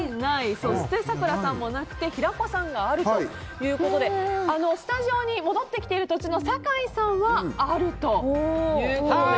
そして、咲楽さんもなくて平子さんがあるということでスタジオに戻ってきている途中の酒井さんはある！